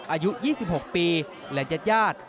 อายุ๒๖ปีและญาติ